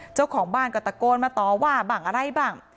เจ้าของบ้านก็ตะโกนมาต่อว่าบ้างอะไรบ้าง